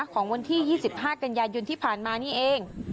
ของวันที่๒๕กันยายนที่ผ่านมานี่เอง